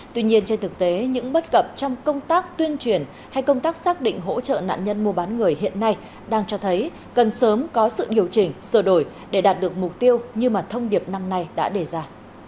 tuy nhiên trên thực tế những bất cập trong công tác tuyên truyền hay công tác xác định hỗ trợ nạn nhân mua bán người hiện nay đang cho thấy cần sớm có sự điều chỉnh sửa đổi để đạt được mục tiêu như mà thông điệp năm nay đã đề ra